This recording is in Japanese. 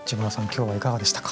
今日はいかがでしたか？